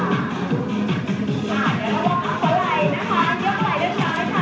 เดี๋ยวเราวางอัพของไหล่นะคะยกไหล่ด้วยกันค่ะ